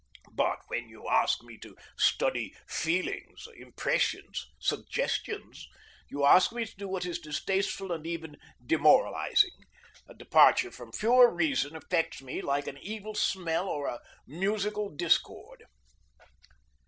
But when you ask me to study feelings, impressions, suggestions, you ask me to do what is distasteful and even demoralizing. A departure from pure reason affects me like an evil smell or a musical discord.